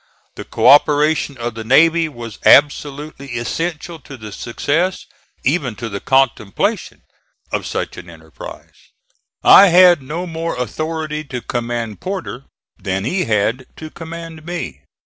The co operation of the navy was absolutely essential to the success (even to the contemplation) of such an enterprise. I had no more authority to command Porter than he had to command me.